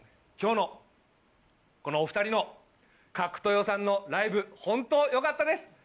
今日のこのお２人のカクトヨさんのライブホント良かったです！